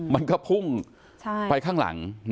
มันก็พุ่งไปข้างหลัง